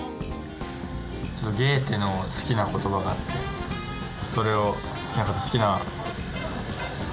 ちょっとゲーテの好きな言葉があってそれを好きなはい。